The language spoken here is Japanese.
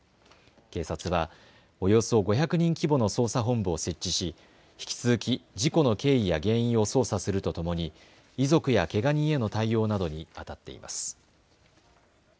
警察はおよそ５００人規模の捜査本部を設置し引き続き事故の経緯や原因を捜査するとともに遺族やけが人への対応などにあたっています。